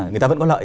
người ta vẫn có lợi